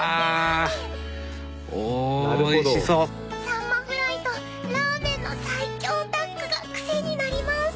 さんまフライとラーメンの最強タッグがクセになります